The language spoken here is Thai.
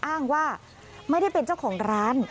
อ้างว่าไม่ได้เป็นเจ้าของร้าน